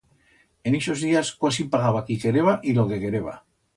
En ixos días cuasi pagaba qui quereba y lo que quereba.